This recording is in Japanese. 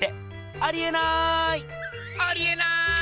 ありえない！